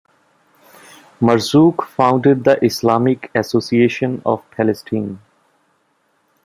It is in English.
Marzook founded the Islamic Association of Palestine.